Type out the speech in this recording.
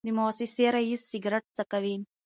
د موسسې رییس سګرټ څکوي.